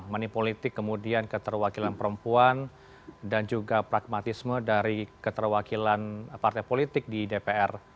manipolitik kemudian keterwakilan perempuan dan juga pragmatisme dari keterwakilan partai politik di dpr